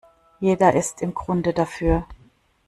Jeder ist im Grunde dafür.